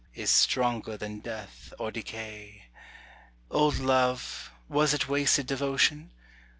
Is stronger than death or decay. Old love, was it wasted devotion?